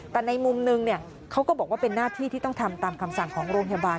แต่ในมุมนึงเขาก็บอกว่าเป็นหน้าที่ที่ต้องทำตามคำสั่งของโรงพยาบาล